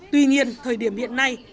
tuy nhiên thời điểm hiện nay